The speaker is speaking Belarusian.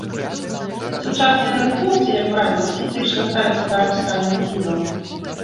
Сучасныя навукоўцы, як правіла, скептычна ставяцца да апісання цудаў.